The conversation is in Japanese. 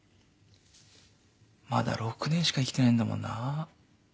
まだ６年しか生きてねえんだもんな。